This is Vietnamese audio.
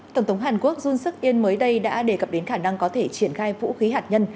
tổng thống hàn quốc jun suk in mới đây đã đề cập đến khả năng có thể triển khai vũ khí hạt nhân